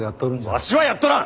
わしはやっとらん！